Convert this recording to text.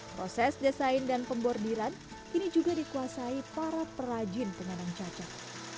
proses desain dan pembordiran kini juga dikuasai para perajin penganan cacat